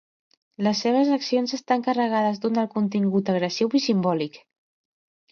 Les seves accions estan carregades d'un alt contingut agressiu i simbòlic.